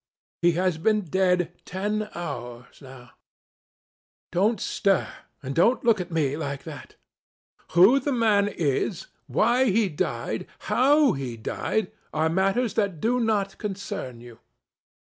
He has been dead ten hours now. Don't stir, and don't look at me like that. Who the man is, why he died, how he died, are matters that do not concern you.